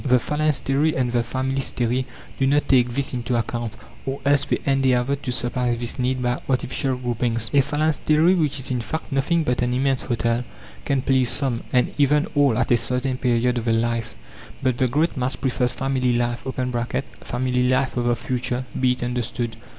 The phalanstery and the familystery do not take this into account, or else they endeavour to supply this need by artificial groupings. A phalanstery, which is in fact nothing but an immense hotel, can please some, and even all at a certain period of their life, but the great mass prefers family life (family life of the future, be it understood).